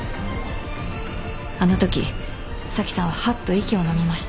あのとき紗季さんははっと息をのみました。